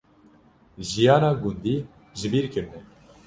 jiyîna gundî jibîrkirine